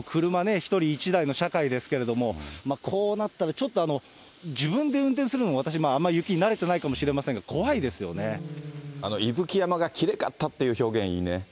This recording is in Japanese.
車ね、１人１台の社会ですけれども、こうなったらちょっと自分で運転するのも、私、あまり雪に慣れていないかもしれないですけれども、伊吹山がきれかったっていう表現いいね。